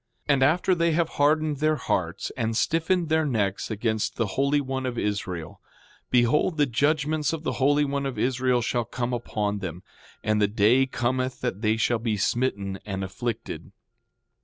6:10 And after they have hardened their hearts and stiffened their necks against the Holy One of Israel, behold the judgments of the Holy One of Israel shall come upon them. And the day cometh that they shall be smitten and afflicted.